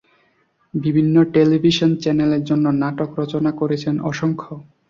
বিভিন্ন টেলিভিশন চ্যানেলের জন্য নাটক রচনা করেছেন অসংখ্য।